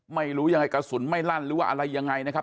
ไม่รู้ยังไงกระสุนไม่ลั่นหรือว่าอะไรยังไงนะครับ